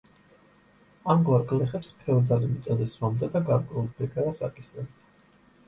ამგვარ გლეხებს ფეოდალი მიწაზე სვამდა და გარკვეულ ბეგარას აკისრებდა.